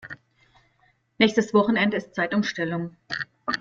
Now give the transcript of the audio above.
Nächstes Wochenende ist Zeitumstellung.